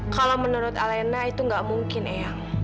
kalau menurut alena itu tidak mungkin eang